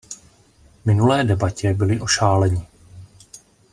V minulé debatě byli ošáleni.